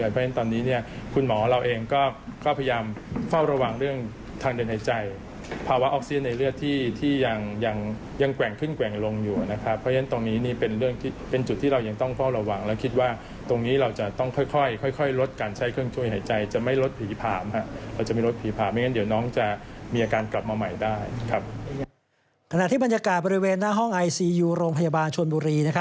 เพราะฉะนั้นตอนนี้เนี่ยคุณหมอเราเองก็ก็พยายามเฝ้าระวังเรื่องทางเดินหายใจภาวะออกเซียนในเรือที่ที่ยังยังยังแกว่งขึ้นแกว่งลงอยู่นะครับเพราะฉะนั้นตรงนี้นี่เป็นเรื่องที่เป็นจุดที่เรายังต้องเฝ้าระวังและคิดว่าตรงนี้เราจะต้องค่อยค่อยค่อยค่อยลดการใช้เครื่องช่วยหายใจจะไม่ลดผีผามค่ะเราจะมีลดผีผาม